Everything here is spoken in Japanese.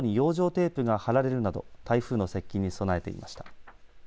テープが貼られるなど台風の接近に備えていました。